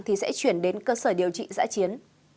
thì sẽ chuyển đến cơ sở điều trị giã chiến